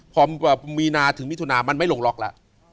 พอมีนาถึงมิถุนามันไม่ลงล็อกแล้ว